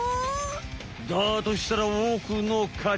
だとしたらおくのかち。